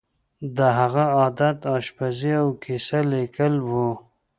د هغه عادت آشپزي او کیسه لیکل وو